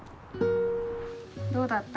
どうだった？